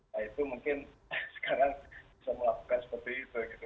nah itu mungkin sekarang bisa melakukan seperti itu gitu